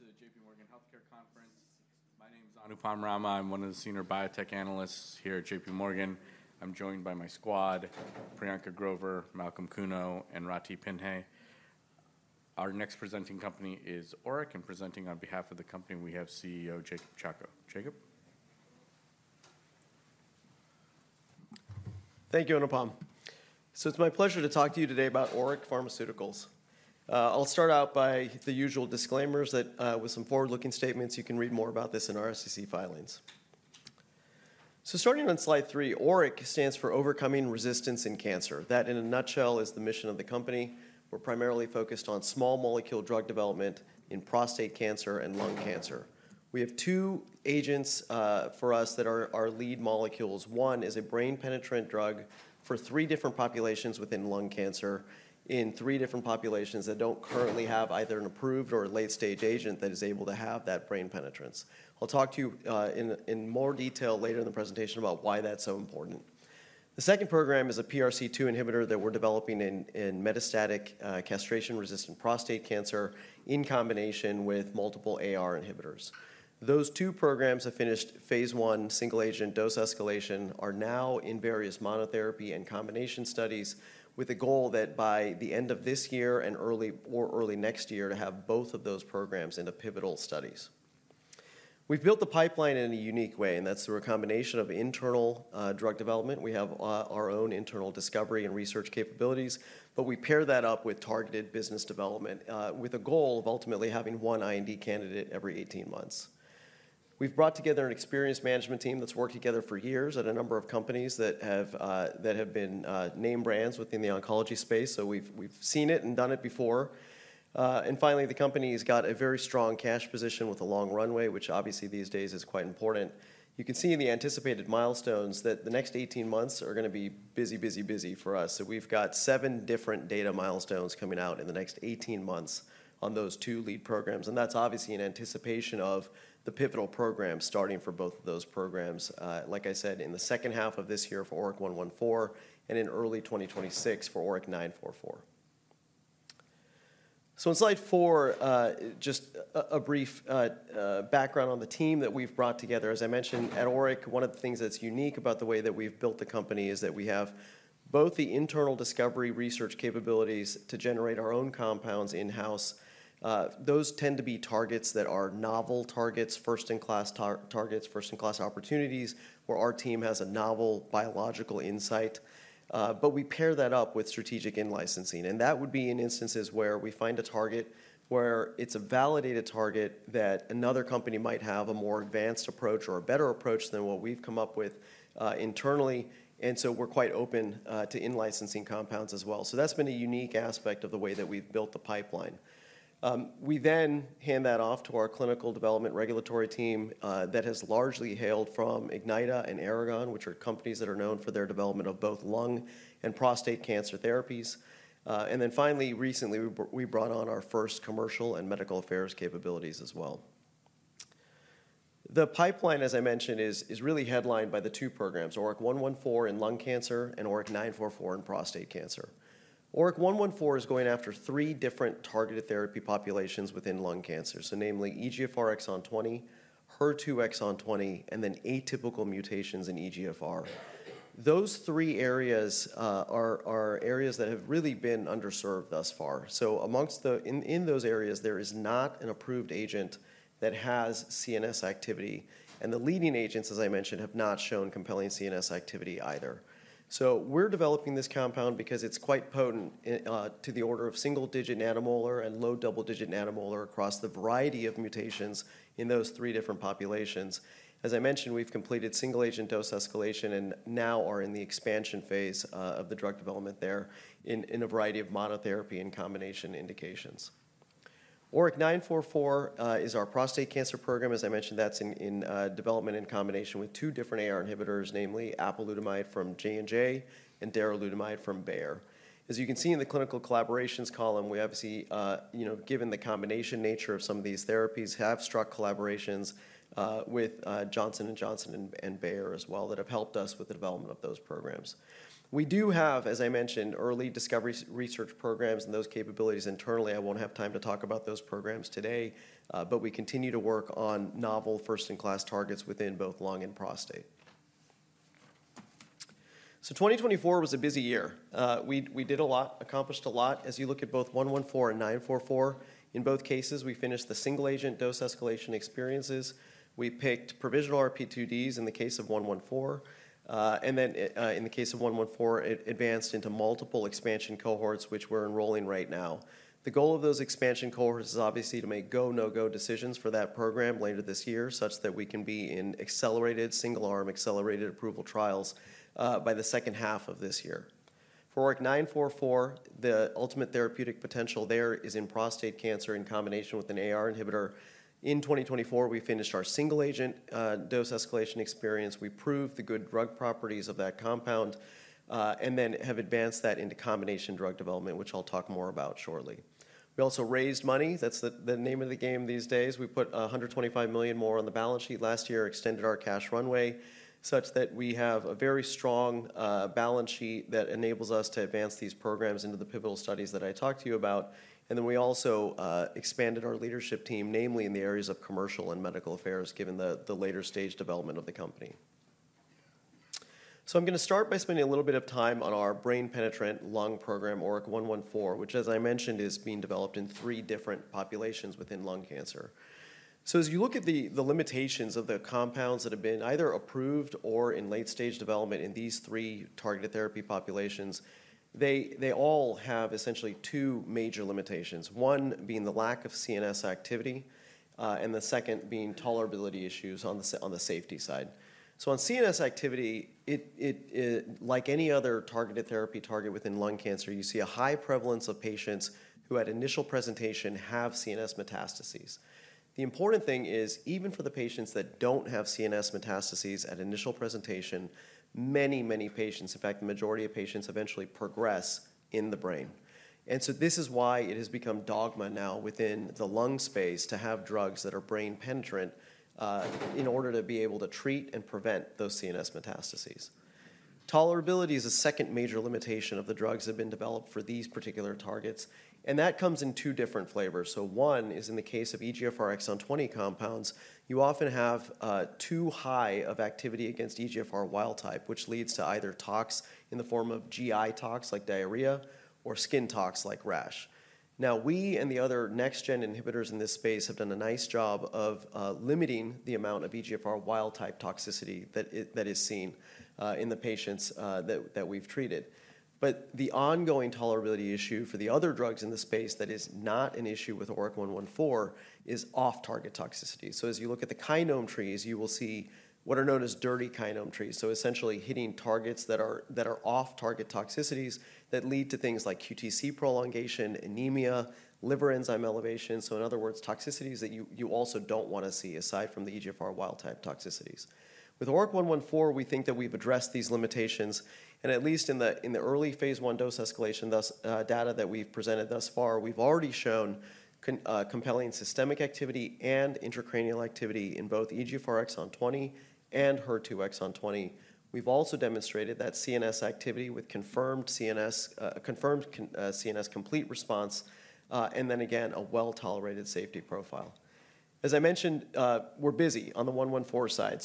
Welcome, everyone, to the J.P. Morgan Healthcare Conference. My name is Anupam Rama. I'm one of the senior biotech analysts here at J.P. Morgan. I'm joined by my squad: Priyanka Grover, Malcolm Kuno, and Ratih Phin. Our next presenting company is ORIC, and presenting on behalf of the company, we have CEO Jacob Chacko. Jacob? Thank you, Anupam. So it's my pleasure to talk to you today about ORIC Pharmaceuticals. I'll start out by the usual disclaimers with some forward-looking statements. You can read more about this in our SEC filings. So starting on slide three, ORIC stands for Overcoming Resistance in Cancer. That, in a nutshell, is the mission of the company. We're primarily focused on small molecule drug development in prostate cancer and lung cancer. We have two agents for us that are our lead molecules. One is a brain-penetrant drug for three different populations within lung cancer in three different populations that don't currently have either an approved or late-stage agent that is able to have that brain penetrance. I'll talk to you in more detail later in the presentation about why that's so important. The second program is a PRC2 inhibitor that we're developing in metastatic castration-resistant prostate cancer in combination with multiple AR inhibitors. Those two programs have finished phase I single-agent dose escalation, are now in various monotherapy and combination studies with a goal that by the end of this year and early next year to have both of those programs in the pivotal studies. We've built the pipeline in a unique way, and that's through a combination of internal drug development. We have our own internal discovery and research capabilities, but we pair that up with targeted business development with a goal of ultimately having one IND candidate every 18 months. We've brought together an experienced management team that's worked together for years at a number of companies that have been name brands within the oncology space, so we've seen it and done it before. And finally, the company has got a very strong cash position with a long runway, which obviously these days is quite important. You can see in the anticipated milestones that the next 18 months are going to be busy, busy, busy for us. So we've got seven different data milestones coming out in the next 18 months on those two lead programs. And that's obviously in anticipation of the pivotal programs starting for both of those programs, like I said, in the second half of this year for ORIC-114 and in early 2026 for ORIC-944. So on slide four, just a brief background on the team that we've brought together. As I mentioned, at ORIC, one of the things that's unique about the way that we've built the company is that we have both the internal discovery research capabilities to generate our own compounds in-house. Those tend to be targets that are novel targets, first-in-class targets, first-in-class opportunities where our team has a novel biological insight, but we pair that up with strategic in-licensing, and that would be in instances where we find a target where it's a validated target that another company might have a more advanced approach or a better approach than what we've come up with internally, and so we're quite open to in-licensing compounds as well, so that's been a unique aspect of the way that we've built the pipeline. We then hand that off to our clinical development regulatory team that has largely hailed from Ignyta and Aragon, which are companies that are known for their development of both lung and prostate cancer therapies, and then finally, recently, we brought on our first commercial and medical affairs capabilities as well. The pipeline, as I mentioned, is really headlined by the two programs, ORIC-114 in lung cancer and ORIC-944 in prostate cancer. ORIC-114 is going after three different targeted therapy populations within lung cancer, so namely EGFR exon 20, HER2 exon 20, and then atypical mutations in EGFR. Those three areas are areas that have really been underserved thus far. So among them in those areas, there is not an approved agent that has CNS activity. And the leading agents, as I mentioned, have not shown compelling CNS activity either. So we're developing this compound because it's quite potent on the order of single-digit nanomolar and low double-digit nanomolar across the variety of mutations in those three different populations. As I mentioned, we've completed single-agent dose escalation and now are in the expansion phase of the drug development there in a variety of monotherapy and combination indications. ORIC-944 is our prostate cancer program. As I mentioned, that's in development in combination with two different AR inhibitors, namely apalutamide from J&J and darolutamide from Bayer. As you can see in the clinical collaborations column, we obviously, given the combination nature of some of these therapies, have struck collaborations with Johnson & Johnson and Bayer as well that have helped us with the development of those programs. We do have, as I mentioned, early discovery research programs and those capabilities internally. I won't have time to talk about those programs today, but we continue to work on novel first-in-class targets within both lung and prostate. So 2024 was a busy year. We did a lot, accomplished a lot. As you look at both ORIC-114 and ORIC-944, in both cases, we finished the single-agent dose escalation experiences. We picked provisional RP2Ds in the case of ORIC-114. In the case of 114, it advanced into multiple expansion cohorts, which we're enrolling right now. The goal of those expansion cohorts is obviously to make go, no-go decisions for that program later this year, such that we can be in accelerated single-arm, accelerated approval trials by the second half of this year. For ORIC-944, the ultimate therapeutic potential there is in prostate cancer in combination with an AR inhibitor. In 2024, we finished our single-agent dose escalation experience. We proved the good drug properties of that compound and then have advanced that into combination drug development, which I'll talk more about shortly. We also raised money. That's the name of the game these days. We put $125 million more on the balance sheet last year, extended our cash runway, such that we have a very strong balance sheet that enables us to advance these programs into the pivotal studies that I talked to you about. And then we also expanded our leadership team, namely in the areas of commercial and medical affairs, given the later-stage development of the company. So I'm going to start by spending a little bit of time on our brain-penetrant lung program, ORIC-114, which, as I mentioned, is being developed in three different populations within lung cancer. So as you look at the limitations of the compounds that have been either approved or in late-stage development in these three targeted therapy populations, they all have essentially two major limitations, one being the lack of CNS activity and the second being tolerability issues on the safety side. So on CNS activity, like any other targeted therapy target within lung cancer, you see a high prevalence of patients who at initial presentation have CNS metastases. The important thing is, even for the patients that don't have CNS metastases at initial presentation, many, many patients, in fact, the majority of patients eventually progress in the brain. And so this is why it has become dogma now within the lung space to have drugs that are brain-penetrant in order to be able to treat and prevent those CNS metastases. Tolerability is a second major limitation of the drugs that have been developed for these particular targets. And that comes in two different flavors. One is in the case of EGFR exon 20 compounds, you often have too high of activity against EGFR wild type, which leads to either tox in the form of GI tox like diarrhea or skin tox like rash. Now, we and the other next-gen inhibitors in this space have done a nice job of limiting the amount of EGFR wild type toxicity that is seen in the patients that we've treated. The ongoing tolerability issue for the other drugs in the space that is not an issue with ORIC 114 is off-target toxicity. As you look at the kinome trees, you will see what are known as dirty kinome trees, so essentially hitting targets that are off-target toxicities that lead to things like QTc prolongation, anemia, liver enzyme elevation. In other words, toxicities that you also don't want to see aside from the EGFR wild type toxicities. With ORIC-114, we think that we've addressed these limitations. At least in the early phase I dose escalation, this data that we've presented thus far, we've already shown compelling systemic activity and intracranial activity in both EGFR exon 20 and HER2 exon 20. We've also demonstrated that CNS activity with confirmed CNS complete response and then again, a well-tolerated safety profile. As I mentioned, we're busy on the 114 side.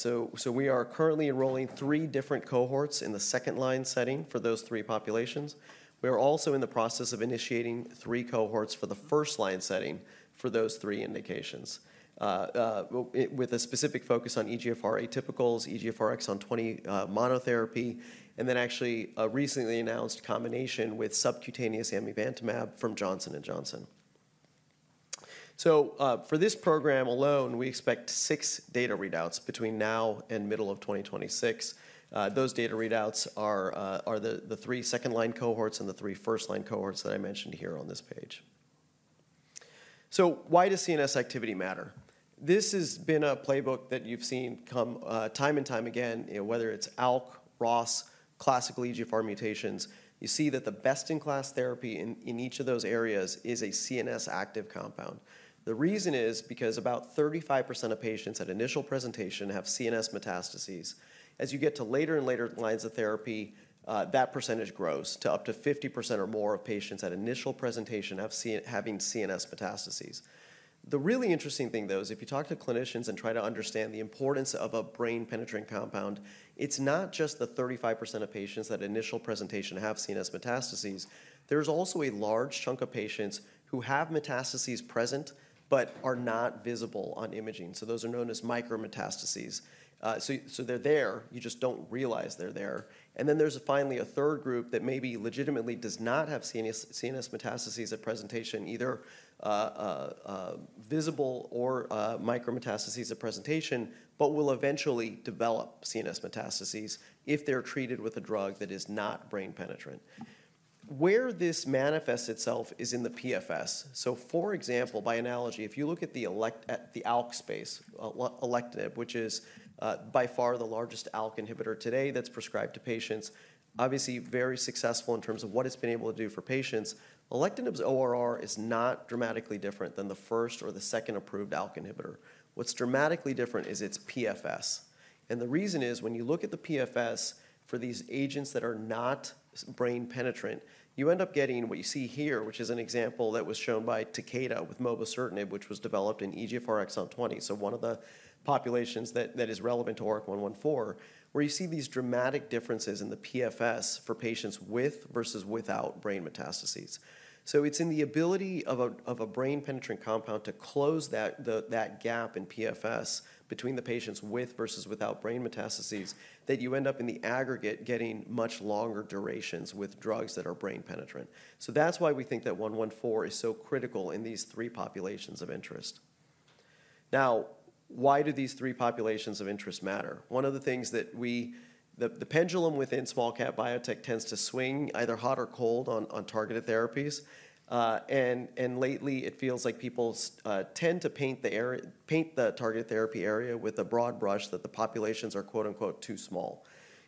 We are currently enrolling three different cohorts in the second-line setting for those three populations. We are also in the process of initiating three cohorts for the first-line setting for those three indications, with a specific focus on EGFR atypicals, EGFR exon 20 monotherapy, and then actually a recently announced combination with subcutaneous amivantamab from Johnson & Johnson. For this program alone, we expect six data readouts between now and middle of 2026. Those data readouts are the three second-line cohorts and the three first-line cohorts that I mentioned here on this page. So why does CNS activity matter? This has been a playbook that you've seen come time and time again, whether it's ALK, ROS, classical EGFR mutations. You see that the best-in-class therapy in each of those areas is a CNS active compound. The reason is because about 35% of patients at initial presentation have CNS metastases. As you get to later and later lines of therapy, that percentage grows to up to 50% or more of patients at initial presentation having CNS metastases. The really interesting thing, though, is if you talk to clinicians and try to understand the importance of a brain-penetrating compound. It's not just the 35% of patients at initial presentation have CNS metastases. There's also a large chunk of patients who have metastases present but are not visible on imaging. So those are known as micrometastases. So they're there. You just don't realize they're there. And then there's finally a third group that maybe legitimately does not have CNS metastases at presentation, either visible or micrometastases at presentation, but will eventually develop CNS metastases if they're treated with a drug that is not brain-penetrant. Where this manifests itself is in the PFS. So for example, by analogy, if you look at the ALK space, alectinib, which is by far the largest ALK inhibitor today that's prescribed to patients, obviously very successful in terms of what it's been able to do for patients, alectinib's ORR is not dramatically different than the first or the second approved ALK inhibitor. What's dramatically different is its PFS. And the reason is when you look at the PFS for these agents that are not brain-penetrant, you end up getting what you see here, which is an example that was shown by Takeda with mobocertinib, which was developed in EGFR exon 20, so one of the populations that is relevant to ORIC-114, where you see these dramatic differences in the PFS for patients with versus without brain metastases. So it's in the ability of a brain-penetrating compound to close that gap in PFS between the patients with versus without brain metastases that you end up in the aggregate getting much longer durations with drugs that are brain-penetrant. So that's why we think that 114 is so critical in these three populations of interest. Now, why do these three populations of interest matter? One of the things that we the pendulum within small cap biotech tends to swing either hot or cold on targeted therapies. And lately, it feels like people tend to paint the targeted therapy area with a broad brush that the populations are "too small."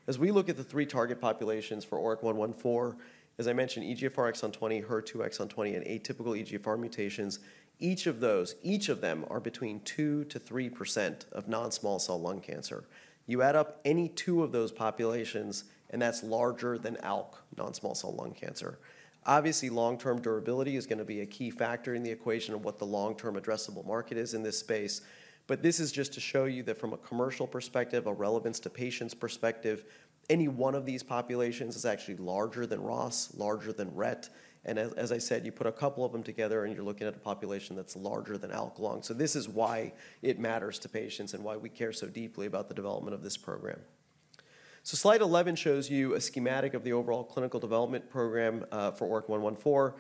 As we look at the three target populations for ORIC 114, as I mentioned, EGFR exon 20, HER2 exon 20, and atypical EGFR mutations, each of those, each of them are between 2%-3% of non-small cell lung cancer. You add up any two of those populations, and that's larger than ALK, non-small cell lung cancer. Obviously, long-term durability is going to be a key factor in the equation of what the long-term addressable market is in this space. But this is just to show you that from a commercial perspective, a relevance to patients' perspective, any one of these populations is actually larger than ROS, larger than RET. And as I said, you put a couple of them together and you're looking at a population that's larger than ALK lung. So this is why it matters to patients and why we care so deeply about the development of this program. So slide 11 shows you a schematic of the overall clinical development program for ORIC-114.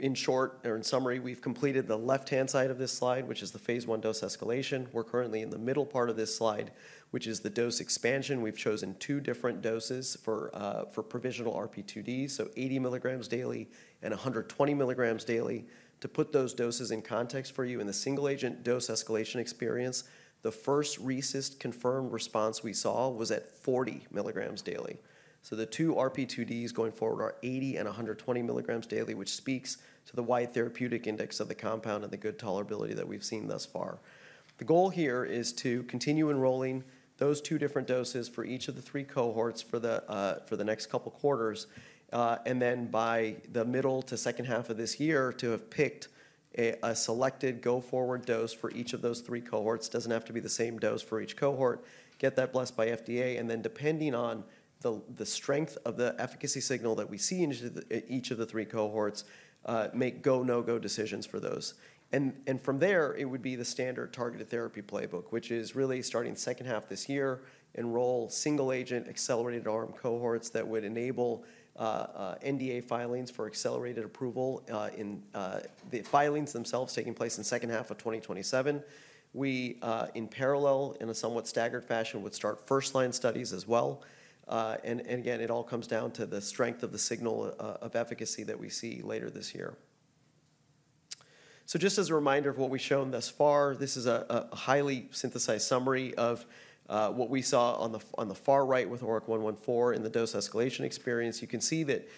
In short, or in summary, we've completed the left-hand side of this slide, which is the phase I dose escalation. We're currently in the middle part of this slide, which is the dose expansion. We've chosen two different doses for provisional RP2Ds, so 80 milligrams daily and 120 milligrams daily. To put those doses in context for you in the single-agent dose escalation experience, the first recent confirmed response we saw was at 40 milligrams daily. So the two RP2Ds going forward are 80 and 120 milligrams daily, which speaks to the wide therapeutic index of the compound and the good tolerability that we've seen thus far. The goal here is to continue enrolling those two different doses for each of the three cohorts for the next couple of quarters, and then by the middle to second half of this year, to have picked a selected go-forward dose for each of those three cohorts, doesn't have to be the same dose for each cohort, get that blessed by FDA. And then depending on the strength of the efficacy signal that we see in each of the three cohorts, make go, no-go decisions for those. And from there, it would be the standard targeted therapy playbook, which is really starting second half this year, enroll single-agent accelerated arm cohorts that would enable NDA filings for accelerated approval, in the filings themselves taking place in the second half of 2027. We, in parallel, in a somewhat staggered fashion, would start first-line studies as well. And again, it all comes down to the strength of the signal of efficacy that we see later this year. So just as a reminder of what we've shown thus far, this is a highly synthesized summary of what we saw on the far right with ORIC-114 in the dose escalation experience. You can see that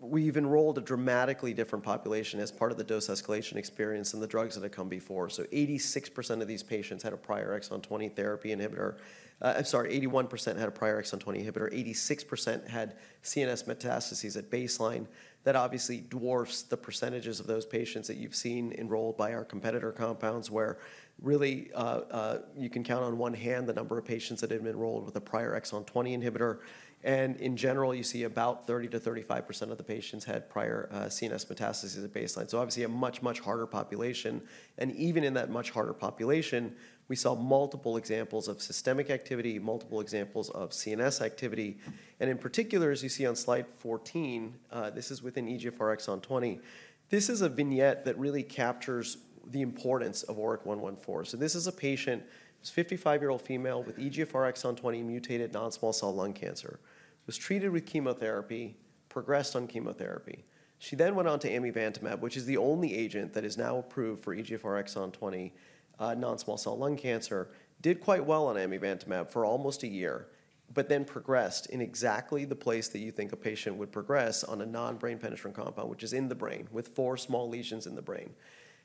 we've enrolled a dramatically different population as part of the dose escalation experience than the drugs that have come before. So 86% of these patients had a prior exon 20 therapy inhibitor. I'm sorry, 81% had a prior exon 20 inhibitor. 86% had CNS metastases at baseline. That obviously dwarfs the percentages of those patients that you've seen enrolled by our competitor compounds where really you can count on one hand the number of patients that have been enrolled with a prior exon 20 inhibitor. And in general, you see about 30%-35% of the patients had prior CNS metastases at baseline. So obviously a much, much harder population. And even in that much harder population, we saw multiple examples of systemic activity, multiple examples of CNS activity. And in particular, as you see on slide 14, this is within EGFR exon 20. This is a vignette that really captures the importance of ORIC-114. So this is a patient, a 55-year-old female with EGFR exon 20 mutated non-small cell lung cancer. Was treated with chemotherapy, progressed on chemotherapy. She then went on to amivantamab, which is the only agent that is now approved for EGFR exon 20 non-small cell lung cancer. Did quite well on amivantamab for almost a year, but then progressed in exactly the place that you think a patient would progress on a non-brain-penetrating compound, which is in the brain with four small lesions in the brain.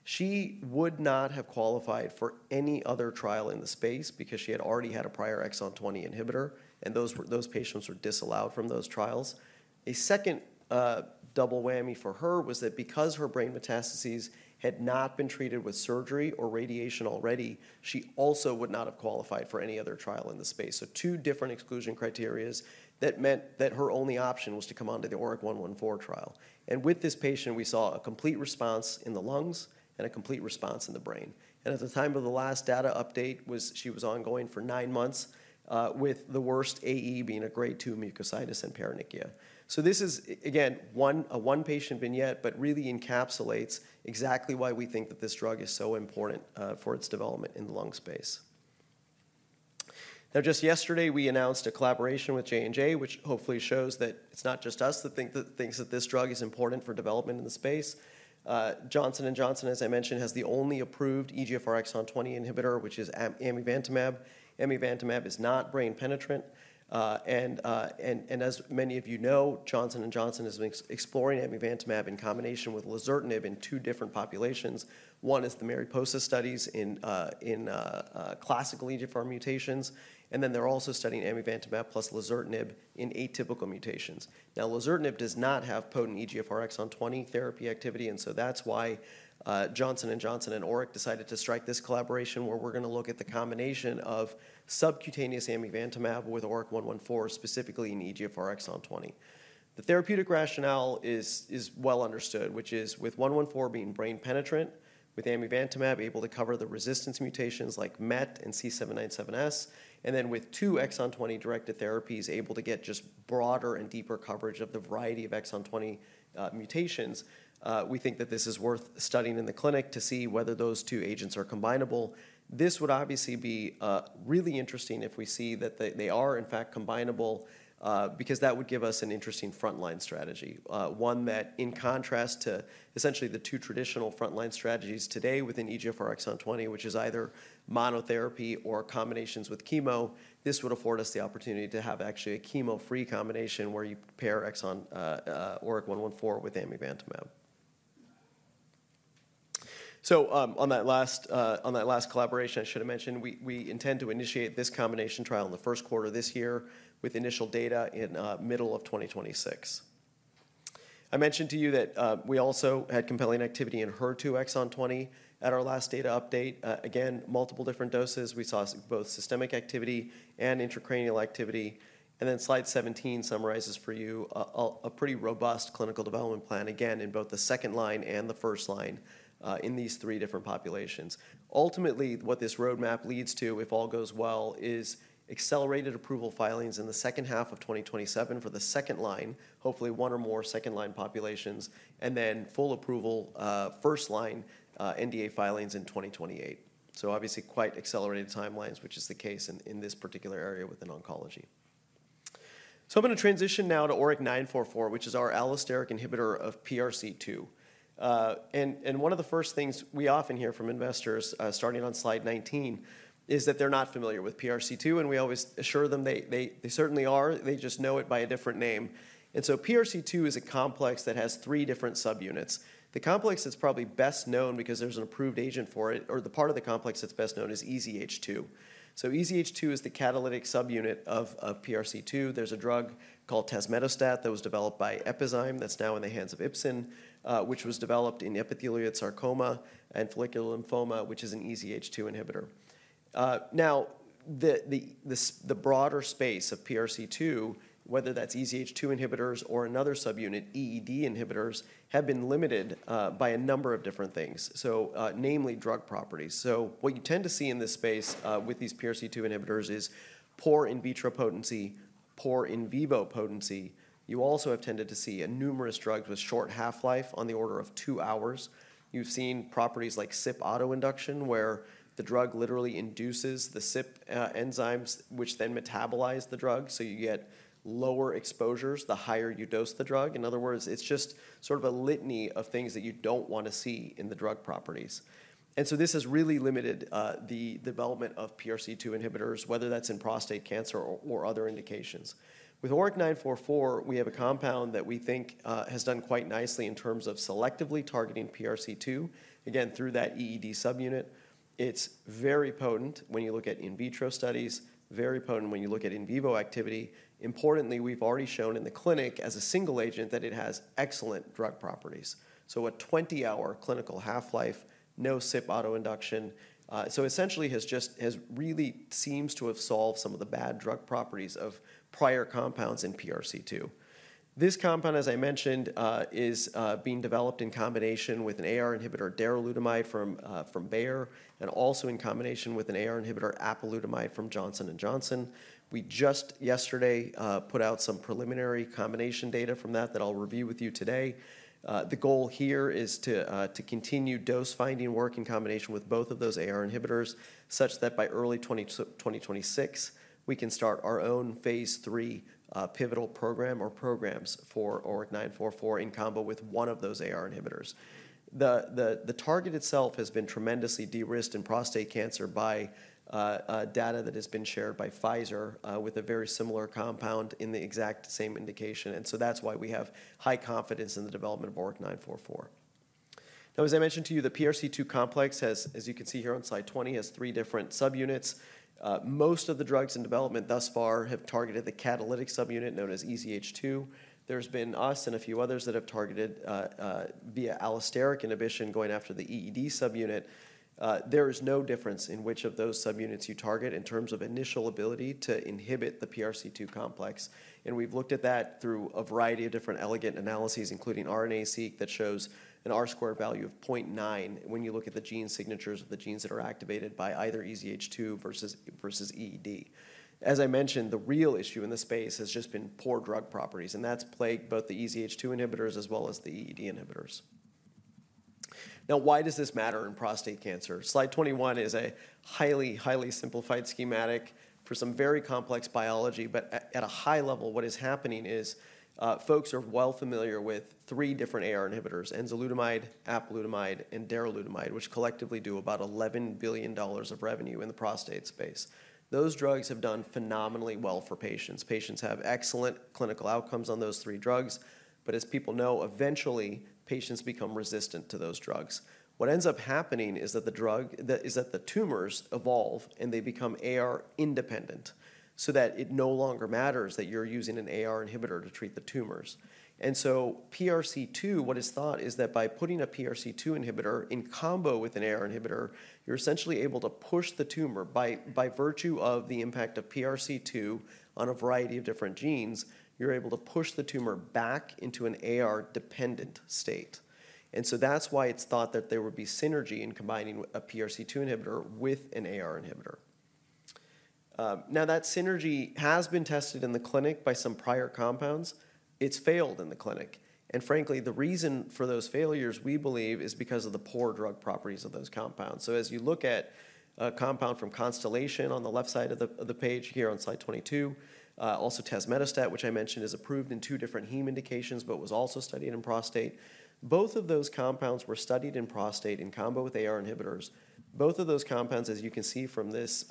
She would not have qualified for any other trial in the space because she had already had a prior exon 20 inhibitor, and those patients were disallowed from those trials. A second double whammy for her was that because her brain metastases had not been treated with surgery or radiation already, she also would not have qualified for any other trial in the space. So two different exclusion criteria that meant that her only option was to come on to the ORIC-114 trial. And with this patient, we saw a complete response in the lungs and a complete response in the brain. And at the time of the last data update, she was ongoing for nine months with the worst AE being a grade 2 mucositis and paronychia. So this is, again, a one-patient vignette, but really encapsulates exactly why we think that this drug is so important for its development in the lung space. Now, just yesterday, we announced a collaboration with J&J, which hopefully shows that it's not just us that thinks that this drug is important for development in the space. Johnson & Johnson, as I mentioned, has the only approved EGFR exon 20 inhibitor, which is amivantamab. Amivantamab is not brain-penetrant. And as many of you know, Johnson & Johnson has been exploring amivantamab in combination with lazertinib in two different populations. One is the Mariposa studies in classical EGFR mutations. And then they're also studying amivantamab plus lazertinib in atypical mutations. Now, lazertinib does not have potent EGFR exon 20 therapy activity. And so that's why Johnson & Johnson and ORIC decided to strike this collaboration where we're going to look at the combination of subcutaneous amivantamab with ORIC-114, specifically in EGFR exon 20. The therapeutic rationale is well understood, which is with 114 being brain-penetrant, with amivantamab able to cover the resistance mutations like MET and C797S, and then with two exon 20 directed therapies able to get just broader and deeper coverage of the variety of exon 20 mutations. We think that this is worth studying in the clinic to see whether those two agents are combinable. This would obviously be really interesting if we see that they are in fact combinable because that would give us an interesting frontline strategy. One that, in contrast to essentially the two traditional frontline strategies today within EGFR exon 20, which is either monotherapy or combinations with chemo, this would afford us the opportunity to have actually a chemo-free combination where you pair ORIC-114 with amivantamab. So on that last collaboration, I should have mentioned we intend to initiate this combination trial in the Q1 of this year with initial data in middle of 2026. I mentioned to you that we also had compelling activity in HER2 exon 20 at our last data update. Again, multiple different doses. We saw both systemic activity and intracranial activity. And then slide 17 summarizes for you a pretty robust clinical development plan, again, in both the second line and the first line in these three different populations. Ultimately, what this roadmap leads to, if all goes well, is accelerated approval filings in the second half of 2027 for the second line, hopefully one or more second line populations, and then full approval first line NDA filings in 2028. So obviously quite accelerated timelines, which is the case in this particular area within oncology. I'm going to transition now to ORIC-944, which is our allosteric inhibitor of PRC2. One of the first things we often hear from investors, starting on slide 19, is that they're not familiar with PRC2. We always assure them they certainly are. They just know it by a different name. PRC2 is a complex that has three different subunits. The complex that's probably best known because there's an approved agent for it, or the part of the complex that's best known is EZH2. EZH2 is the catalytic subunit of PRC2. There's a drug called tezemetostat that was developed by Epizyme. That's now in the hands of Ipsen, which was developed in epithelial sarcoma and follicular lymphoma, which is an EZH2 inhibitor. Now, the broader space of PRC2, whether that's EZH2 inhibitors or another subunit, EED inhibitors, have been limited by a number of different things, so namely drug properties. So what you tend to see in this space with these PRC2 inhibitors is poor in vitro potency, poor in vivo potency. You also have tended to see numerous drugs with short half-life on the order of two hours. You've seen properties like CYP autoinduction, where the drug literally induces the CYP enzymes, which then metabolize the drug. So you get lower exposures the higher you dose the drug. In other words, it's just sort of a litany of things that you don't want to see in the drug properties. And so this has really limited the development of PRC2 inhibitors, whether that's in prostate cancer or other indications. With ORIC-944, we have a compound that we think has done quite nicely in terms of selectively targeting PRC2, again, through that EED subunit. It's very potent when you look at in vitro studies, very potent when you look at in vivo activity. Importantly, we've already shown in the clinic as a single agent that it has excellent drug properties. So a 20-hour clinical half-life, no CYP autoinduction. So essentially has just really seems to have solved some of the bad drug properties of prior compounds in PRC2. This compound, as I mentioned, is being developed in combination with an AR inhibitor, darolutamide from Bayer, and also in combination with an AR inhibitor, apalutamide from Johnson & Johnson. We just yesterday put out some preliminary combination data from that that I'll review with you today. The goal here is to continue dose-finding work in combination with both of those AR inhibitors, such that by early 2026, we can start our own phase III pivotal program or programs for ORIC-944 in combo with one of those AR inhibitors. The target itself has been tremendously de-risked in prostate cancer by data that has been shared by Pfizer with a very similar compound in the exact same indication. And so that's why we have high confidence in the development of ORIC-944. Now, as I mentioned to you, the PRC2 complex, as you can see here on slide 20, has three different subunits. Most of the drugs in development thus far have targeted the catalytic subunit known as EZH2. There's been us and a few others that have targeted via allosteric inhibition going after the EED subunit. There is no difference in which of those subunits you target in terms of initial ability to inhibit the PRC2 complex. And we've looked at that through a variety of different elegant analyses, including RNA-seq that shows an R-squared value of 0.9 when you look at the gene signatures of the genes that are activated by either EZH2 versus EED. As I mentioned, the real issue in the space has just been poor drug properties. And that's plagued both the EZH2 inhibitors as well as the EED inhibitors. Now, why does this matter in prostate cancer? Slide 21 is a highly, highly simplified schematic for some very complex biology. But at a high level, what is happening is folks are well familiar with three different AR inhibitors: enzalutamide, apalutamide, and darolutamide, which collectively do about $11 billion of revenue in the prostate space. Those drugs have done phenomenally well for patients. Patients have excellent clinical outcomes on those three drugs. But as people know, eventually patients become resistant to those drugs. What ends up happening is that the tumors evolve and they become AR-independent so that it no longer matters that you're using an AR inhibitor to treat the tumors. And so PRC2, what is thought is that by putting a PRC2 inhibitor in combo with an AR inhibitor, you're essentially able to push the tumor by virtue of the impact of PRC2 on a variety of different genes. You're able to push the tumor back into an AR-dependent state. And so that's why it's thought that there would be synergy in combining a PRC2 inhibitor with an AR inhibitor. Now, that synergy has been tested in the clinic by some prior compounds. It's failed in the clinic. Frankly, the reason for those failures, we believe, is because of the poor drug properties of those compounds. As you look at a compound from Constellation on the left side of the page here on slide 22, also tezemetostat, which I mentioned is approved in two different heme indications, but was also studied in prostate. Both of those compounds were studied in prostate in combo with AR inhibitors. Both of those compounds, as you can see from this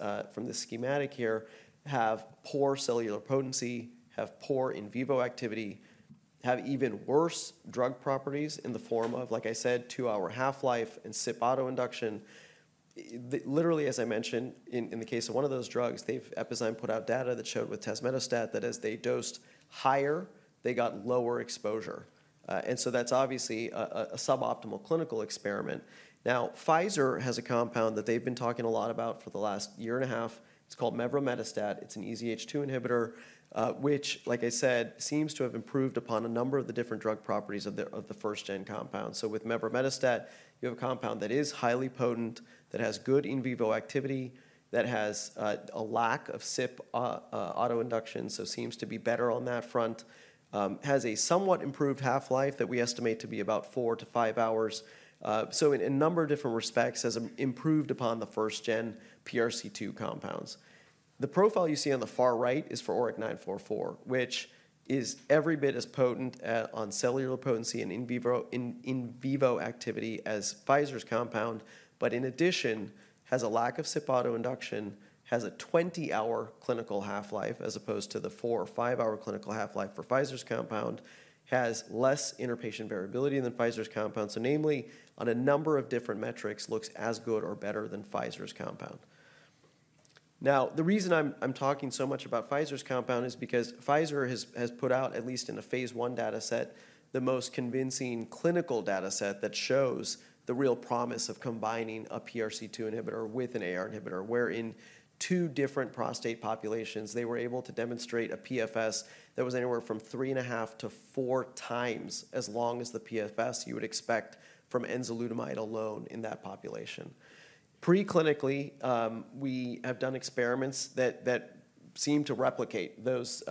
schematic here, have poor cellular potency, have poor in vivo activity, have even worse drug properties in the form of, like I said, two-hour half-life and CYP autoinduction. Literally, as I mentioned, in the case of one of those drugs, Epizyme put out data that showed with tezemetostat that as they dosed higher, they got lower exposure. That's obviously a suboptimal clinical experiment. Now, Pfizer has a compound that they've been talking a lot about for the last year and a half. It's called mevrometostat. It's an EZH2 inhibitor, which, like I said, seems to have improved upon a number of the different drug properties of the first-gen compound. So with mevrometostat, you have a compound that is highly potent, that has good in vivo activity, that has a lack of CYP autoinduction, so seems to be better on that front, has a somewhat improved half-life that we estimate to be about four to five hours. So in a number of different respects, has improved upon the first-gen PRC2 compounds. The profile you see on the far right is for ORIC-944, which is every bit as potent on cellular potency and in vivo activity as Pfizer's compound, but in addition, has a lack of CYP autoinduction, has a 20-hour clinical half-life as opposed to the four or five-hour clinical half-life for Pfizer's compound, has less interpatient variability than Pfizer's compound, so namely, on a number of different metrics, looks as good or better than Pfizer's compound. Now, the reason I'm talking so much about Pfizer's compound is because Pfizer has put out, at least in a phase I data set, the most convincing clinical data set that shows the real promise of combining a PRC2 inhibitor with an AR inhibitor, where in two different prostate populations, they were able to demonstrate a PFS that was anywhere from three and a half to four times as long as the PFS you would expect from enzalutamide alone in that population. Preclinically, we have done experiments that seem to replicate those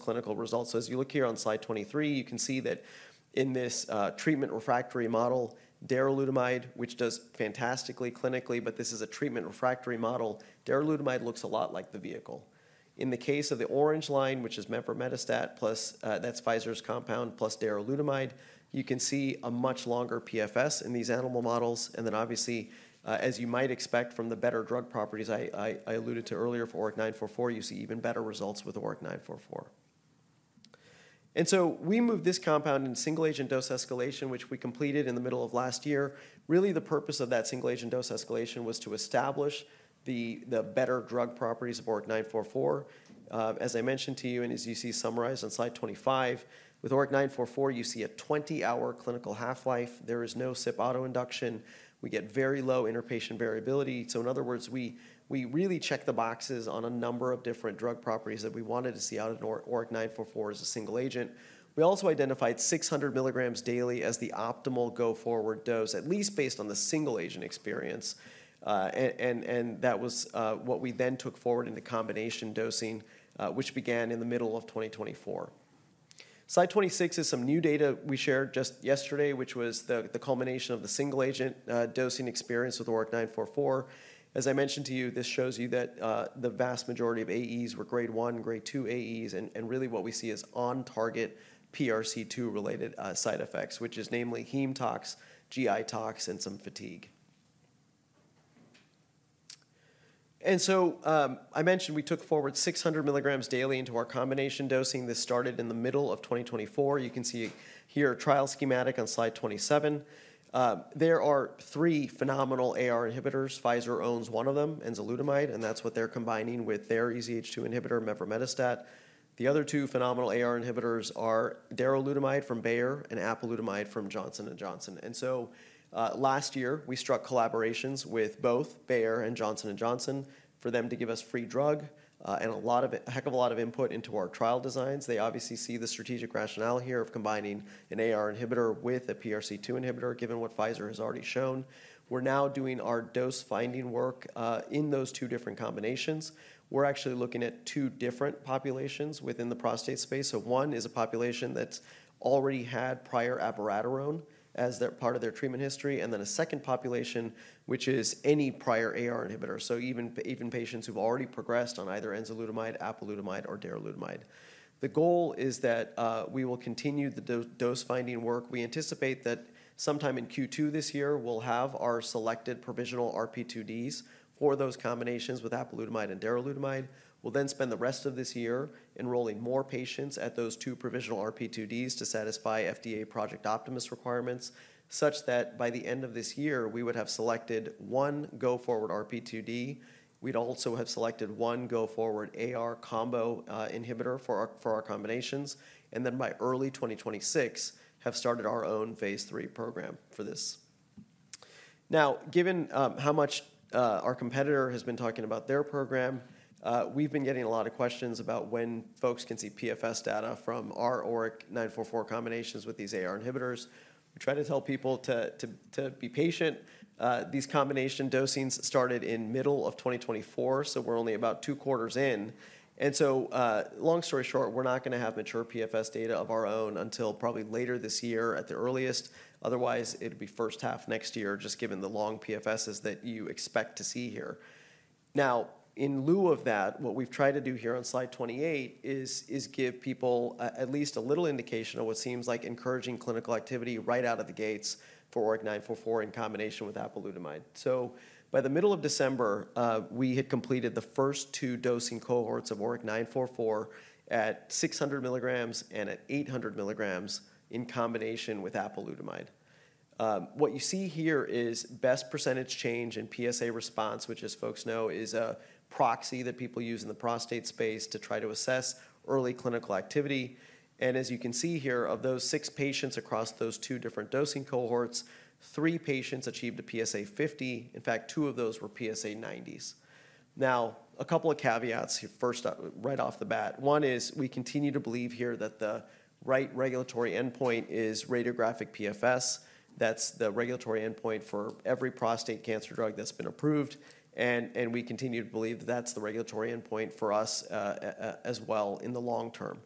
clinical results. So as you look here on slide 23, you can see that in this treatment refractory model, darolutamide, which does fantastically clinically, but this is a treatment refractory model, darolutamide looks a lot like the vehicle. In the case of the orange line, which is mevrometostat, that's Pfizer's compound plus darolutamide, you can see a much longer PFS in these animal models. And then obviously, as you might expect from the better drug properties I alluded to earlier for ORIC-944, you see even better results with ORIC-944. And so we moved this compound into single-agent dose escalation, which we completed in the middle of last year. Really, the purpose of that single-agent dose escalation was to establish the better drug properties of ORIC-944. As I mentioned to you and as you see summarized on slide 25, with ORIC-944, you see a 20-hour clinical half-life. There is no CYP autoinduction. We get very low interpatient variability. In other words, we really checked the boxes on a number of different drug properties that we wanted to see out of ORIC-944 as a single agent. We also identified 600 milligrams daily as the optimal go-forward dose, at least based on the single-agent experience. That was what we then took forward into combination dosing, which began in the middle of 2024. Slide 26 is some new data we shared just yesterday, which was the culmination of the single-agent dosing experience with ORIC-944. As I mentioned to you, this shows you that the vast majority of AEs were grade one, grade two AEs, and really what we see is on-target PRC2-related side effects, which is namely heme tox, GI tox, and some fatigue. I mentioned we took forward 600 milligrams daily into our combination dosing. This started in the middle of 2024. You can see here a trial schematic on slide 27. There are three phenomenal AR inhibitors. Pfizer owns one of them, enzalutamide, and that's what they're combining with their EZH2 inhibitor, mevrometostat. The other two phenomenal AR inhibitors are darolutamide from Bayer and apalutamide from Johnson & Johnson. And so last year, we struck collaborations with both Bayer and Johnson & Johnson for them to give us free drug and a heck of a lot of input into our trial designs. They obviously see the strategic rationale here of combining an AR inhibitor with a PRC2 inhibitor, given what Pfizer has already shown. We're now doing our dose-finding work in those two different combinations. We're actually looking at two different populations within the prostate space. So one is a population that's already had prior abiraterone as part of their treatment history. And then a second population, which is any prior AR inhibitor, so even patients who've already progressed on either enzalutamide, apalutamide, or darolutamide. The goal is that we will continue the dose-finding work. We anticipate that sometime in Q2 this year, we'll have our selected provisional RP2Ds for those combinations with apalutamide and darolutamide. We'll then spend the rest of this year enrolling more patients at those two provisional RP2Ds to satisfy FDA Project Optimus requirements, such that by the end of this year, we would have selected one go-forward RP2D. We'd also have selected one go-forward AR combo inhibitor for our combinations. And then by early 2026, have started our own phase III program for this. Now, given how much our competitor has been talking about their program, we've been getting a lot of questions about when folks can see PFS data from our ORIC-944 combinations with these AR inhibitors. We try to tell people to be patient. These combination dosings started in middle of 2024, so we're only about two quarters in. And so long story short, we're not going to have mature PFS data of our own until probably later this year at the earliest. Otherwise, it'd be first half next year, just given the long PFSs that you expect to see here. Now, in lieu of that, what we've tried to do here on slide 28 is give people at least a little indication of what seems like encouraging clinical activity right out of the gates for ORIC-944 in combination with apalutamide. So by the middle of December, we had completed the first two dosing cohorts of ORIC-944 at 600 milligrams and at 800 milligrams in combination with apalutamide. What you see here is best percentage change in PSA response, which, as folks know, is a proxy that people use in the prostate space to try to assess early clinical activity. And as you can see here, of those six patients across those two different dosing cohorts, three patients achieved a PSA 50. In fact, two of those were PSA 90s. Now, a couple of caveats here, first, right off the bat. One is we continue to believe here that the right regulatory endpoint is radiographic PFS. That's the regulatory endpoint for every prostate cancer drug that's been approved. And we continue to believe that that's the regulatory endpoint for us as well in the long term.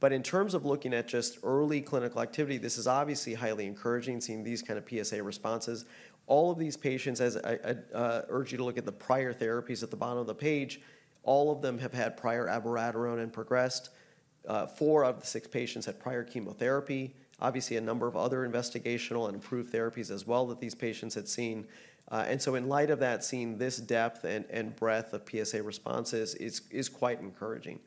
But in terms of looking at just early clinical activity, this is obviously highly encouraging seeing these kind of PSA responses. All of these patients, as I urge you to look at the prior therapies at the bottom of the page, all of them have had prior abiraterone and progressed. Four of the six patients had prior chemotherapy, obviously a number of other investigational and approved therapies as well that these patients had seen. And so in light of that, seeing this depth and breadth of PSA responses is quite encouraging.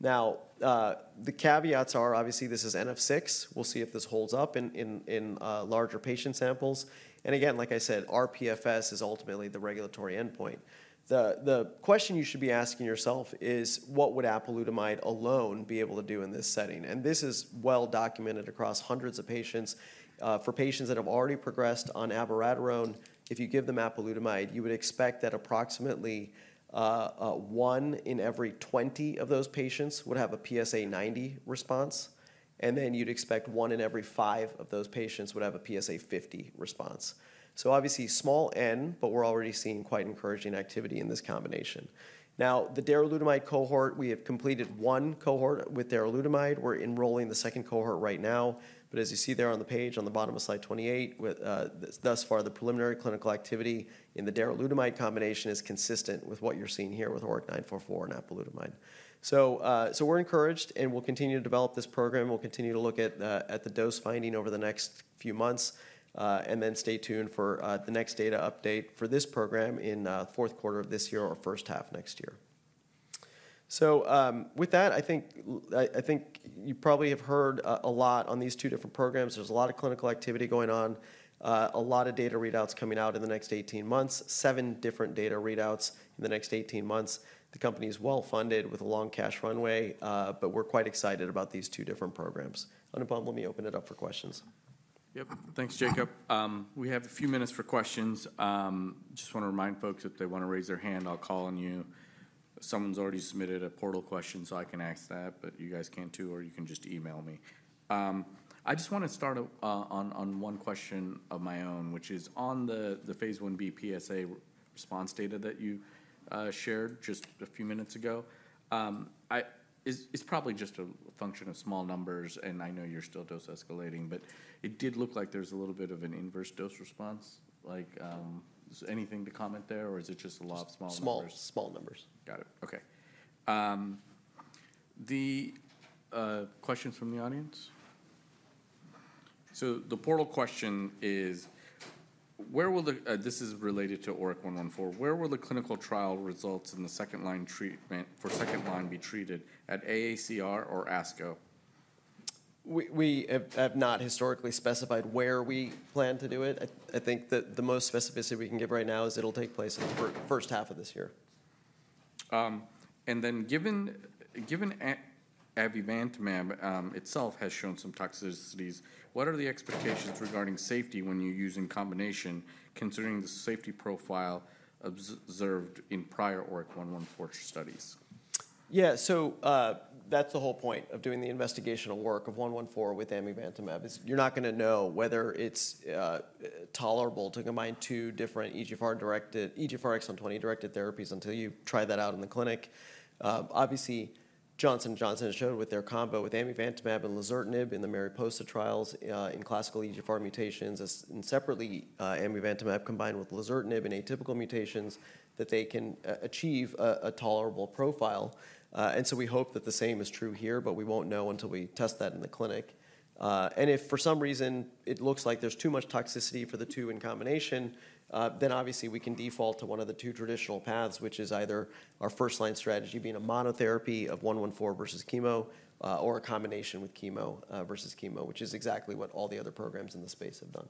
Now, the caveats are, obviously, this is NF6. We'll see if this holds up in larger patient samples. And again, like I said, our PFS is ultimately the regulatory endpoint. The question you should be asking yourself is, what would apalutamide alone be able to do in this setting? And this is well documented across hundreds of patients. For patients that have already progressed on abiraterone, if you give them apalutamide, you would expect that approximately one in every 20 of those patients would have a PSA 90 response, and then you'd expect one in every five of those patients would have a PSA 50 response, so obviously, small N, but we're already seeing quite encouraging activity in this combination. Now, the darolutamide cohort, we have completed one cohort with darolutamide. We're enrolling the second cohort right now, but as you see there on the page, on the bottom of slide 28, thus far, the preliminary clinical activity in the darolutamide combination is consistent with what you're seeing here with ORIC-944 and apalutamide, so we're encouraged, and we'll continue to develop this program. We'll continue to look at the dose finding over the next few months. Then stay tuned for the next data update for this program in the Q4 of this year or first half next year. So with that, I think you probably have heard a lot on these two different programs. There's a lot of clinical activity going on, a lot of data readouts coming out in the next 18 months, seven different data readouts in the next 18 months. The company is well funded with a long cash runway, but we're quite excited about these two different programs. Anupam, let me open it up for questions. Yep. Thanks, Jacob. We have a few minutes for questions. Just want to remind folks if they want to raise their hand, I'll call on you. Someone's already submitted a portal question, so I can ask that, but you guys can too, or you can just email me. I just want to start on one question of my own, which is on the phase Ib PSA response data that you shared just a few minutes ago. It's probably just a function of small numbers, and I know you're still dose escalating, but it did look like there's a little bit of an inverse dose response. Anything to comment there, or is it just a lot of small numbers? Small numbers. Got it. Okay. The questions from the audience. So the portal question is, this is related to ORIC-114. Where will the clinical trial results in the second-line treatment for second-line be presented at AACR or ASCO? We have not historically specified where we plan to do it. I think that the most specificity we can give right now is it'll take place in the first half of this year. And then given amivantamab itself has shown some toxicities, what are the expectations regarding safety when you use in combination, considering the safety profile observed in prior ORIC-114 studies? Yeah. So that's the whole point of doing the investigational work of 114 with amivantamab. You're not going to know whether it's tolerable to combine two different EGFR-20 directed therapies until you try that out in the clinic. Obviously, Johnson & Johnson has showed with their combo with amivantamab and lazertinib in the Mariposa trials in classical EGFR mutations, and separately, amivantamab combined with lazertinib in atypical mutations that they can achieve a tolerable profile. And so we hope that the same is true here, but we won't know until we test that in the clinic. If for some reason it looks like there's too much toxicity for the two in combination, then obviously we can default to one of the two traditional paths, which is either our first-line strategy being a monotherapy of 114 versus chemo or a combination with chemo versus chemo, which is exactly what all the other programs in the space have done.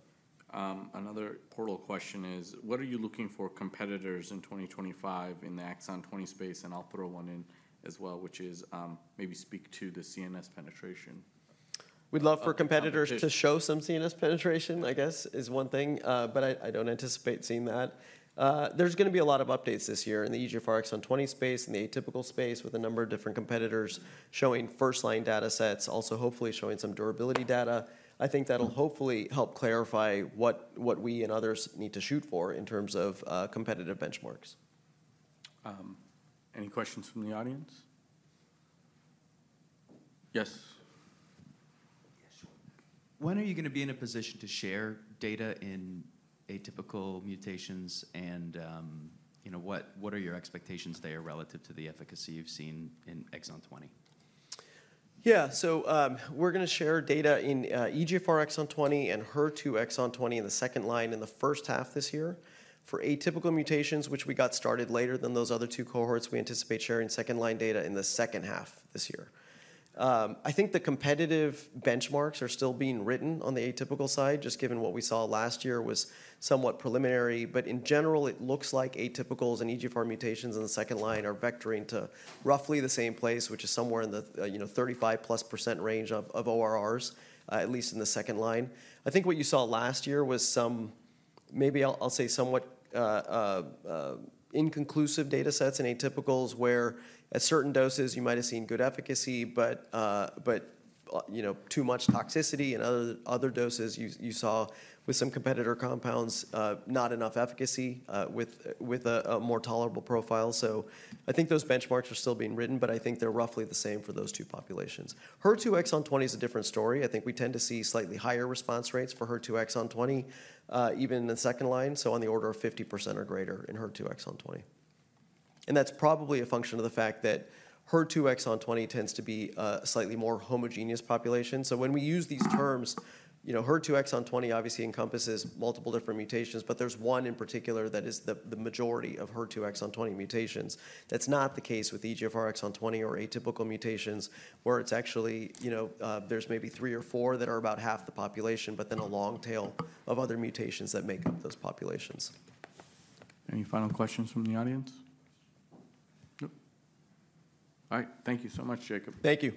Another pivotal question is, what are you looking for competitors in 2025 in the exon 20 space? And I'll throw one in as well, which is maybe speak to the CNS penetration. We'd love for competitors to show some CNS penetration, I guess, is one thing, but I don't anticipate seeing that. There's going to be a lot of updates this year in the EGFR exon 20 space and the atypical space with a number of different competitors showing first-line data sets, also hopefully showing some durability data. I think that'll hopefully help clarify what we and others need to shoot for in terms of competitive benchmarks. Any questions from the audience? Yes. When are you going to be in a position to share data in atypical mutations and what are your expectations there relative to the efficacy you've seen in exon 20? Yeah. So we're going to share data in EGFR exon 20 and HER2 exon 20 in the second line in the first half this year. For atypical mutations, which we got started later than those other two cohorts, we anticipate sharing second-line data in the second half this year. I think the competitive benchmarks are still being written on the atypical side, just given what we saw last year was somewhat preliminary. But in general, it looks like atypicals and EGFR mutations in the second line are vectoring to roughly the same place, which is somewhere in the 35+% range of ORRs, at least in the second line. I think what you saw last year was some, maybe I'll say somewhat inconclusive data sets in atypicals where at certain doses you might have seen good efficacy, but too much toxicity. And other doses you saw with some competitor compounds, not enough efficacy with a more tolerable profile. So I think those benchmarks are still being written, but I think they're roughly the same for those two populations. HER2 exon 20 is a different story. I think we tend to see slightly higher response rates for HER2 exon 20, even in the second line, so on the order of 50% or greater in HER2 exon 20. That's probably a function of the fact that HER2 exon 20 tends to be a slightly more homogeneous population. So when we use these terms, HER2 exon 20 obviously encompasses multiple different mutations, but there's one in particular that is the majority of HER2 exon 20 mutations. That's not the case with EGFR exon 20 or atypical mutations, where it's actually, there's maybe three or four that are about half the population, but then a long tail of other mutations that make up those populations. Any final questions from the audience? Nope. All right. Thank you so much, Jacob. Thank you.